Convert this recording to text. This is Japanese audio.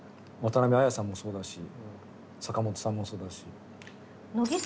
渡辺あやさんもそうだし坂元さんもそうだし。